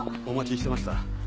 お待ちしてました。